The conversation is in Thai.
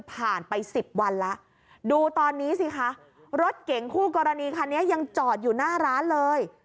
ไปสิบวันแล้วดูตอนนี้สิคะรถเก่งคู่กรณีคันนี้ยังจอดอยู่หน้าร้านเลย